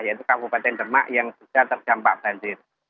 yaitu kabupaten demak yang sudah terdampak banjir